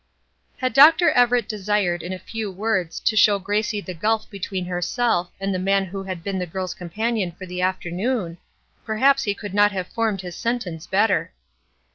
Had Dr. Everett desired in a few words to show Gracie the gulf between herself and the man who had been the girl's companion for the afternoon, perhaps he could not have formed his sentence better.